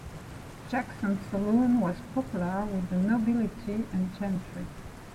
Jackson's Saloon was popular with the nobility and gentry.